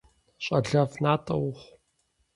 Щӏалэфӏ натӏэ ухъу!